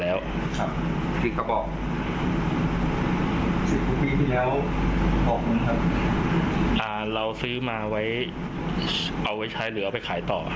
อ่าเราซื้อมาไว้เอาไว้ใช้หรือก็เอาไปขายต่อ